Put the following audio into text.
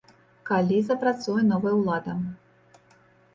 Калі запрацуе новая ўлада?